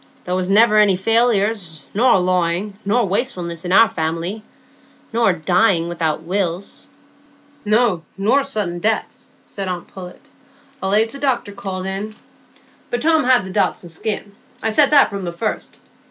There was never any failures, nor lawing, nor wastefulness in our family, nor dying without wills——" "No, nor sudden deaths," said aunt Pullet; "allays the doctor called in. But Tom had the Dodson skin; I said that from the first.